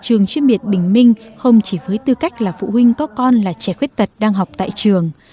trường chuyên biệt bình minh không chỉ với tư cách là phụ huynh có con là trẻ khuyết tật đang học tại trường